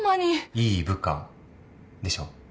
いい部下でしょ？